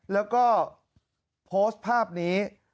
แล้วก็โพสต์ภาพนี้